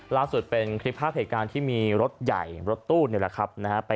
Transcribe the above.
ล่าสุดเป็นคลิปภาพพิการที่มีรถใหญ่รถตู้นอนแล้วครับนะ